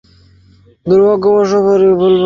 দূর্ভাগ্যবশত ভুল পরিবারে জন্মেছি।